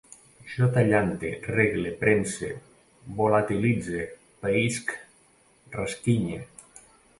Jo tallante, regle, premse, volatilitze, païsc, rasquinye